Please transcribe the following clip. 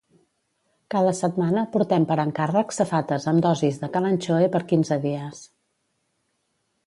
Cada setmana portem per encàrrec safates amb dosis de Kalanchoe per quinze dies.